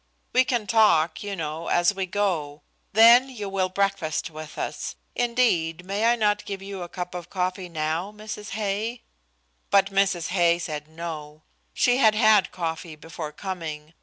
We can talk, you know, as we go. Then you will breakfast with us. Indeed, may I not give you a cup of coffee now, Mrs. Hay?" But Mrs. Hay said no. She had had coffee before coming.